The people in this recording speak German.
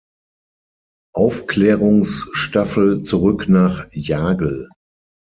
Aufklärungsstaffel zurück nach Jagel.